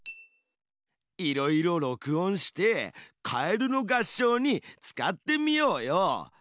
いろいろ録音して「かえるの合唱」に使ってみようよ。